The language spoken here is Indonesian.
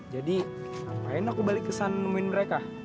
jadi ngapain aku balik kesana nemuin mereka